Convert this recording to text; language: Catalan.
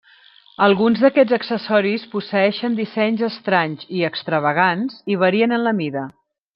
Alguns d'aquests accessoris posseeixen dissenys estranys i extravagants i varien en la mida.